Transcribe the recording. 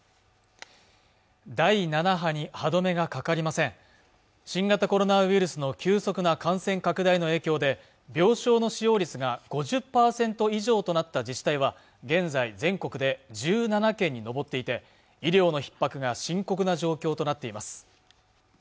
第７波に歯止めがかかりません新型コロナウイルスの急速な感染拡大の影響で病床の使用率が５０％以上となった自治体は現在全国で１７県に上っていて医療の逼迫が深刻な状況となっています